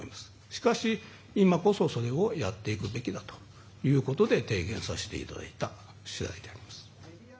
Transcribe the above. しかし、今こそそれをやっていくということで提言させていただいた次第であります。